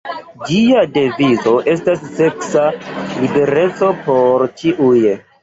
Ĝia devizo estas "seksa libereco por ĉiuj".